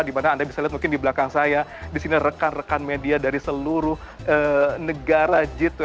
di mana anda bisa lihat mungkin di belakang saya di sini rekan rekan media dari seluruh negara g dua puluh